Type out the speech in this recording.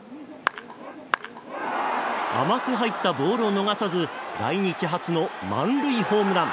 甘く入ったボールを逃さず来日初の満塁ホームラン。